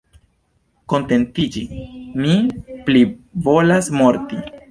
Kontentiĝi! mi plivolas morti.